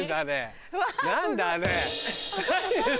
何だあれ。